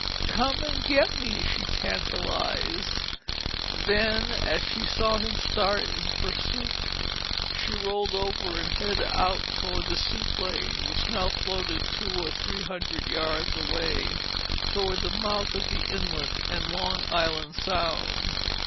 "Come and get me!" she tantalized. Then as she saw him start in pursuit, she rolled over and headed out toward the seaplane which now floated two or three hundred yards away toward the mouth of the inlet and Long Island Sound.